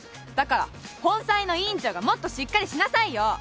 だから本妻の委員長がもっとしっかりしなさいよ！